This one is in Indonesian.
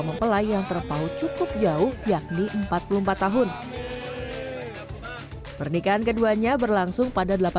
mempelai yang terpaut cukup jauh yakni empat puluh empat tahun pernikahan keduanya berlangsung pada